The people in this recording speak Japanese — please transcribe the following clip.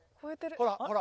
ほらほら。